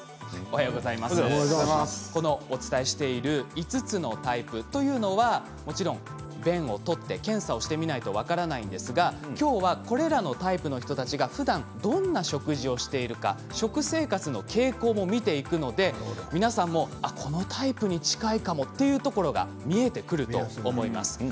お伝えしている５つのタイプというのはもちろん便を取って検査をしてみないと分からないんですが今日はこれらのタイプの人たちがふだんどんな食事をしているか食生活の傾向も見ていくので皆さんも、このタイプに近いかもというところが見えてくると思います。